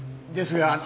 ですが。